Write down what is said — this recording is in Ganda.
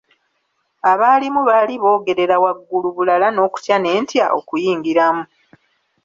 Abaalimu baali boogerera waggulu bulala n'okutya ne ntya okuyingiramu.